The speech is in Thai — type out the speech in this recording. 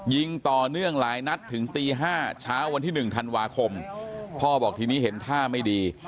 ยิงต่อเนื่องหลายนัดถึงตี๕เช้าวันที่๑ธันวาคมพ่อบอกทีนี้เห็นท่าไม่ดี